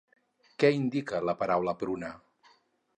Què indica la paraula "pruna"?